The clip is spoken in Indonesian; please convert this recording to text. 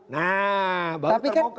nah baru terbuka